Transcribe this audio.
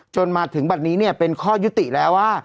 จนมาถึงบันนี้เนี่ยเป็นข้อยุติแล้วว่า